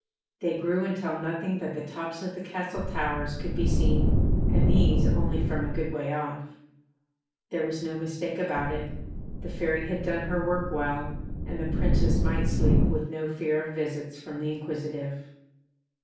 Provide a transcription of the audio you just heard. They grew until nothing but the tops of the castle towers could be seen, and these only from a good way off. There was no mistake about it: the Fairy had done her work well, and the Princess might sleep with no fear of visits from the inquisitive.